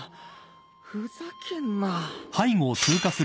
ふざけんな。